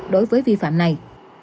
đối với vi phạm này